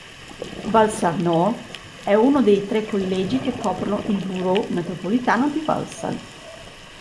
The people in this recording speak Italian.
Walsall North è uno dei tre collegi che coprono il Borough Metropolitano di Walsall.